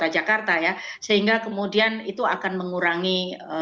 jakarta ya sehingga kemudian itu akan mengurangi